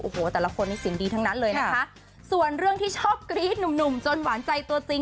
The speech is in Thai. โอ้โหแต่ละคนนี้เสียงดีทั้งนั้นเลยนะคะส่วนเรื่องที่ชอบกรี๊ดหนุ่มหนุ่มจนหวานใจตัวจริง